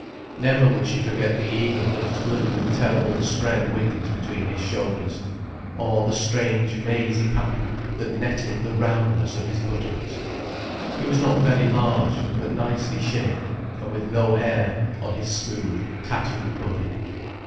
Never would she forget the eagle that flew with terrible spread wings between his shoulders, or the strange mazy pattern that netted the roundness of his buttocks. He was not very large, but nicely shaped, and with no hair on his smooth, tattooed body.